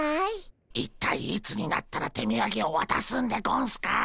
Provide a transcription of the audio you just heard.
一体いつになったら手みやげをわたすんでゴンスか？